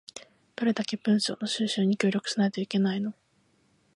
どんだけ文書の収集に協力しないといけないの